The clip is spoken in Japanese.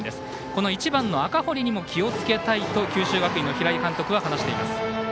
この１番の赤堀にも気をつけたいと九州学院の平井監督は話しています。